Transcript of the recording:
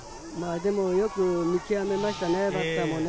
でもよく見極めましたね、バッターもね。